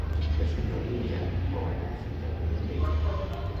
Per Sant Jordi en Jan vol anar a Sant Jaume d'Enveja.